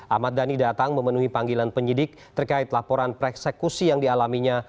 ahmad dhani datang memenuhi panggilan penyidik terkait laporan pereksekusi yang dialaminya